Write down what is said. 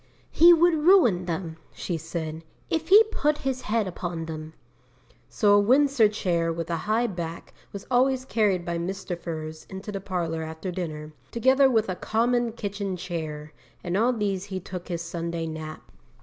"He would ruin them," she said, "if he put his head upon them." So a Windsor chair with a high back was always carried by Mr. Furze into the parlour after dinner, together with a common kitchen chair, and on these he took his Sunday nap.'